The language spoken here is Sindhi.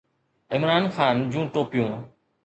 عمران خان جون ٽوپيون